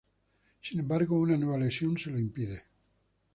Sin embargo una nueva lesión, se lo impide.